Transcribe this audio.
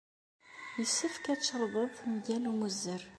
Yessefk ad tcerḍed mgal ummuzzer.